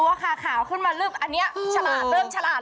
ว่าขาขาวขึ้นมาลึบอันนี้ฉลาดเริ่มฉลาด